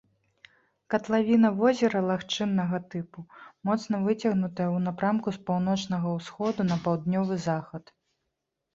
Катлавіна возера лагчыннага тыпу, моцна выцягнутая ў напрамку з паўночнага ўсходу на паўднёвы захад.